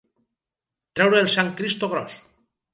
Treure el sant Cristo gros.